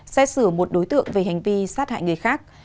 xét xử một đối tượng về hành vi sát hại người khác